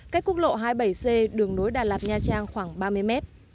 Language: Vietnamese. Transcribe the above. cách quốc lộ hai mươi bảy c đường nối đà lạt nha trang khoảng ba mươi mét